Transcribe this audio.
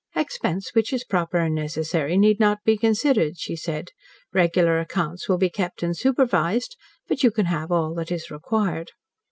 "Expense which is proper and necessary need not be considered," she said. "Regular accounts will be kept and supervised, but you can have all that is required."